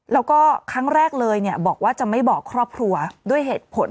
แล้วก็ครั้งแรกเลยบอกว่าจะไม่บอกครอบครัวด้วยเหตุผล